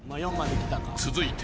［続いて］